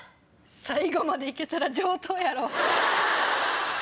最後まで行けたら上等やろ。